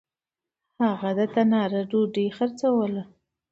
هغه د تنار ډوډۍ خرڅلاوه. .